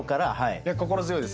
いや心強いです。